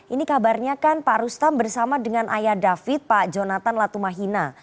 ini kabarnya kan pak rustam bersama dengan ayah david pak jonathan latumahina